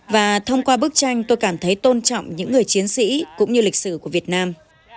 và thông qua bức tranh tôi cảm thấy tôn trọng những người chiến sĩ cũng như lịch sử của việt nam